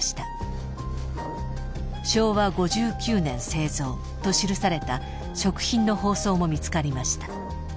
「昭和５９年製造」と記された食品の包装も見つかりました。